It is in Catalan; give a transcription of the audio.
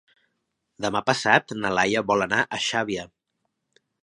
Demà passat na Laia vol anar a Xàbia.